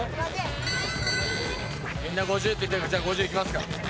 みんな５０って言ってるからじゃあ５０いきますか。